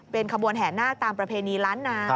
เป็นขบวนแห่นาคตามประเพณีล้านนา